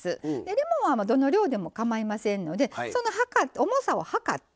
レモンはどの量でもかまいませんのでその重さを量ってそれの１０％のお塩